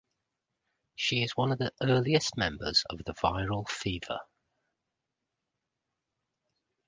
She is one of the earliest members of The Viral Fever.